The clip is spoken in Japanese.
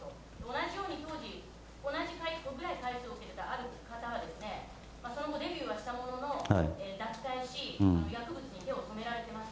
同じように当時、同じを受けていた、ある方が、その後、デビューはしたものの、脱退し、薬物に手を染められてます。